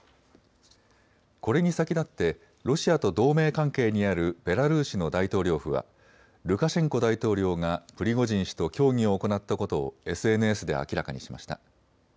これに先立ってロシアと同盟関係にあるベラルーシの大統領府はルカシェンコ大統領がプリゴジン氏と協議を行ったことをＳＮＳで明らかにしました。